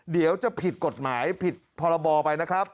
เดี๋ยวจะผิดกฎหมายผิดพรบไปนะครับ